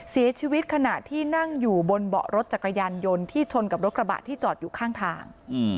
ขณะที่นั่งอยู่บนเบาะรถจักรยานยนต์ที่ชนกับรถกระบะที่จอดอยู่ข้างทาง